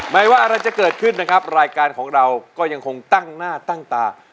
ไม่ว่าอะไรจะเกิดขึ้นนะครับรายการของเราก็ยังคงตั้งหน้าตั้งตา